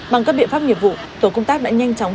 bằng các biện pháp nghiệp vụ tổ công tác đã nhanh chóng